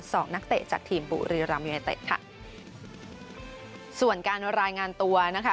นักเตะจากทีมบุรีรัมยูเนเต็ดค่ะส่วนการรายงานตัวนะคะ